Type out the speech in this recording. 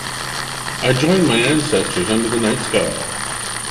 I joined my ancestors under the night sky